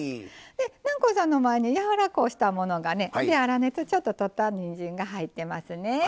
で南光さんの前に柔らこうしたものがねで粗熱ちょっと取ったにんじんが入ってますね。